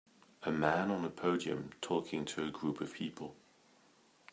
A man on a podium talking to a group of people.